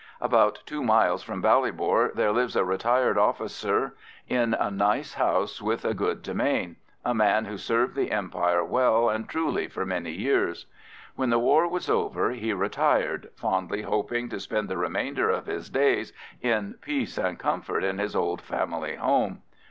About two miles from Ballybor there lives a retired officer in a nice house with a good demesne, a man who served the Empire well and truly for many years. When the war was over he retired, fondly hoping to spend the remainder of his days in peace and comfort in his old family home.